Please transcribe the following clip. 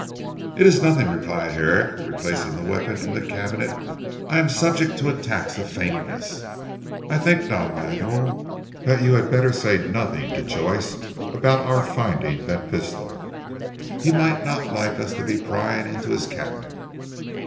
"It is nothing," replied Herrick, replacing the weapon in the cabinet "I am subject to attacks of faintness. I think Don Manuel, that you had better say nothing, to Joyce about our finding that pistol. He might not like us to be prying into his cabinet."